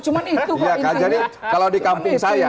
cuma itu kalau di kampung saya